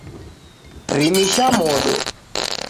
Rimisha modo